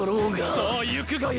さあゆくがいい。